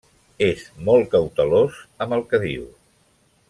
És molt cautelós amb el que diu.